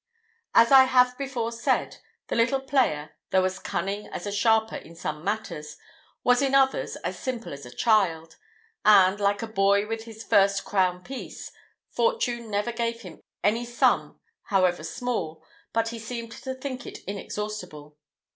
As I have before said, the little player, though as cunning as a sharper in some matters, was in others as simple as a child; and, like a boy with his first crown piece, fortune never gave him any sum, however small, but he seemed to think it inexhaustible.